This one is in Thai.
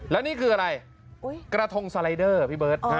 แล้วนี่คืออะไรกระทงสไลเดอร์พี่เบิร์ต